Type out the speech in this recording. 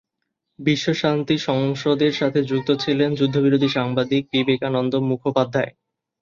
বিশ্ব শান্তি সংসদের সাথে যুক্ত ছিলেন যুদ্ধবিরোধী সাংবাদিক বিবেকানন্দ মুখোপাধ্যায়।